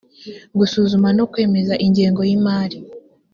gusuzuma no kwemeza ingengo y imari